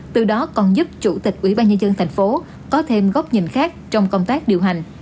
từ đó còn giúp chủ tịch ubnd thành phố có thêm góc nhìn khác trong công tác điều hành